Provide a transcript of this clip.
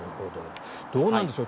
どうなんでしょう。